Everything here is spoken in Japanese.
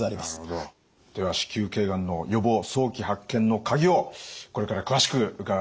では子宮頸がんの予防早期発見のカギをこれから詳しく伺ってまいります。